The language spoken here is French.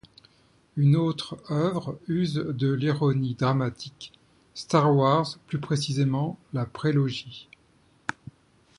Une autre œuvre use de l'ironie dramatique, Star Wars, plus précisément la prélogie.